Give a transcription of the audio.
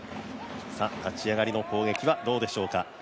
立ち上がりの攻撃はどうでしょうか。